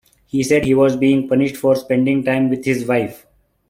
He said he was being punished for spending time with his wife.